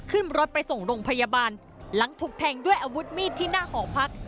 ขึ้นรถไปส่งโรงพยาบาลหลังถูกแทงด้วยอาวุธมีดที่หน้าหอพัก